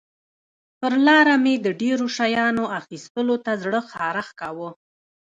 پر لاره مې د ډېرو شیانو اخیستلو ته زړه خارښت کاوه.